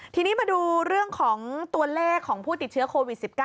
ทีนี้มาดูเรื่องของตัวเลขของผู้ติดเชื้อโควิด๑๙